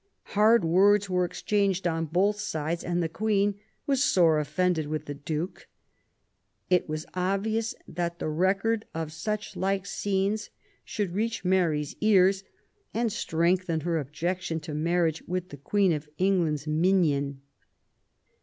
Hard words were exchanged on both sides, and the Queen *'was sore offended with the Duke". It was obvious that the record of such like scenes should reach Mary's ears and strengthen her objection to marriage with the Queen of England's minion.